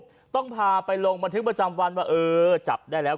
ต้องพาไปลงบันทึกประจำวันว่าเออจับได้แล้ว